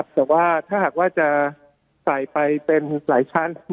แต่ว่าถ้าหากว่าจะใส่ไปเป็นหลายชั้น